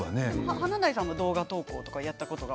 華大さんも動画投稿やったことは？